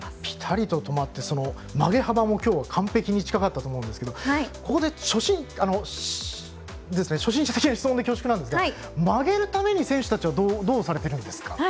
ぴたりと止まって曲げ幅も完璧に近かったと思うんですがここで初心者質問で恐縮なんですが曲げるために選手たちはどうされているんですか。